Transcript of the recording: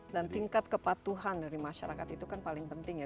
dan tingkat kepatuhan dari masyarakat itu kan paling penting ya